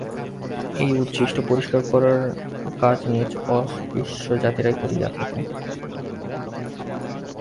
এই উচ্ছিষ্ট পরিষ্কার করার কাজ নীচ অস্পৃশ্য জাতিরাই করিয়া থাকে।